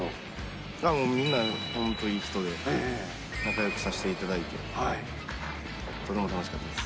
もうみんな、本当いい人で、仲よくさせていただいて、とても楽しかったです。